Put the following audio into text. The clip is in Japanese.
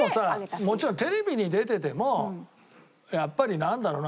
でもさもちろんテレビに出ていてもやっぱりなんだろうな？